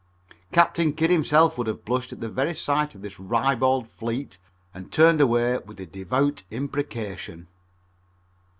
Captain Kidd himself would have blushed at the very sight of this ribald fleet and turned away with a devout imprecation.